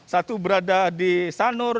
satu berada di sanur